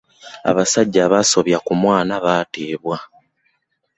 Abasajja abaasobya ku mwana baateebwa.